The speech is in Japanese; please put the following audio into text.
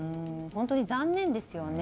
本当に残念ですよね。